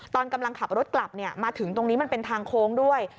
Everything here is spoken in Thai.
ตอนกำลังขับรถกลับมาถึงตรงนี้มันเป็นทางโค้งด้วย